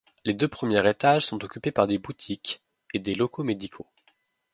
Les deux premiers étages sont occupés par des boutiques, et des locaux médicaux.